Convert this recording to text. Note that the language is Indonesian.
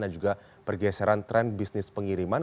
dan juga pergeseran tren bisnis pengiriman